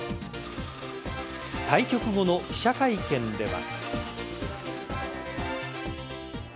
対局後の記者会見では。